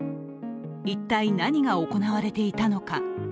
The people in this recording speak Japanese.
一体、何が行われていたのか。